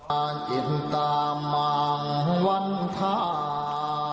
อ่าเอิั้นตามมางวันทาง